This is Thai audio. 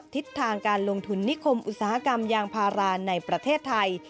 ทิศทางการลงทุนนิคมอุตสาหกรรมยางพาราในประเทศไทย